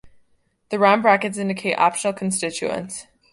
The round brackets indicate optional constituents.